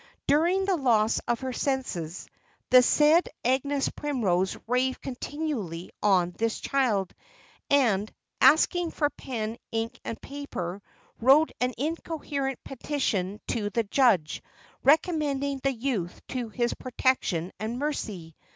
During the loss of her senses, the said Agnes Primrose raved continually on this child; and, asking for pen, ink, and paper, wrote an incoherent petition to the judge recommending the youth to his protection and mercy.